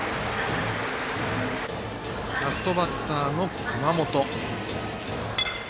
ラストバッターの熊本。